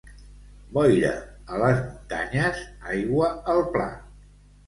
Boira a les muntanyes, aigua al pla.